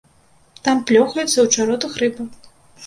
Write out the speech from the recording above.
Там плёхаецца ў чаротах рыба.